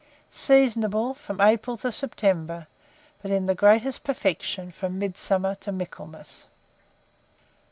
Seasonable from April to September; but in the greatest perfection from Midsummer to Michaelmas.